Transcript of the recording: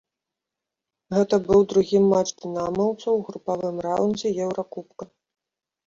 Гэта быў другі матч дынамаўцаў у групавым раўндзе еўракубка.